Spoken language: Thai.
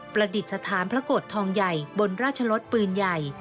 ประดิษฐานพระโกรธทองใหญ่บนราชลดปืนใหญ่